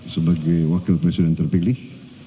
sebagai wakil presiden terpilih